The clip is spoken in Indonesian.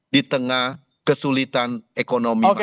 di tengah kesulitan ekonomi masyarakat